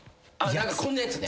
こんなやつね。